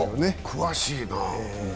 詳しいなぁ。